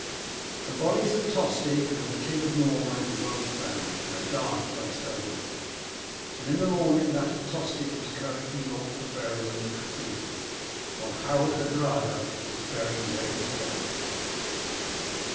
The bodies of Tostig and of the King of Norway were both found, and a guard placed over them, and in the morning that of Tostig was carried to York for burial in the cathedral, while Harold Hardrada was buried where he fell.